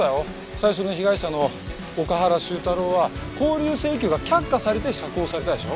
最初の被害者の岡原周太郎は勾留請求が却下されて釈放されたでしょ？